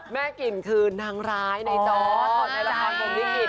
แม่กลิ่นคือนางรายในจอดในราคาโครงงานอย่างอีก